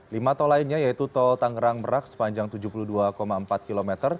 lima tol lainnya yaitu tol tangerang merak sepanjang tujuh puluh dua empat km